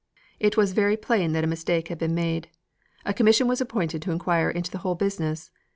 It was very plain that a mistake had been made. A commission was appointed to inquire into the whole business.